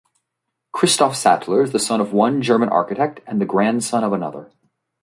Christoph Sattler is the son of one German architect and the grandson of another.